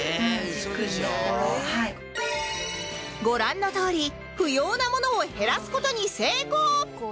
ご覧のとおり不要なものを減らす事に成功